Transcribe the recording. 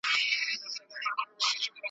بله لار نسته دا حکم د ژوندون دی ,